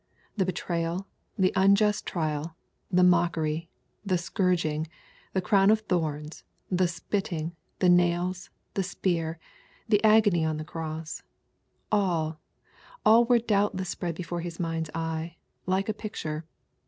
The betrayal, the unjust trial^ the mockery, the scourging, the crown of thorns, the spitting, the nails, the spear, the agony on the cross, — all, all were doubtless spread before His mind's eye, like a picture.